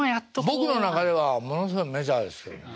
僕の中ではものすごいメジャーですけども。